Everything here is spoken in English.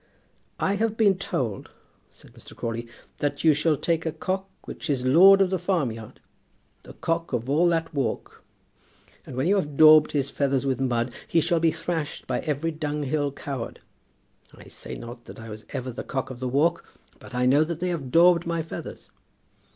"I have been told," said Mr. Crawley, "that you shall take a cock which is lord of the farmyard, the cock of all that walk, and when you have daubed his feathers with mud, he shall be thrashed by every dunghill coward. I say not that I was ever the cock of the walk, but I know that they have daubed my feathers."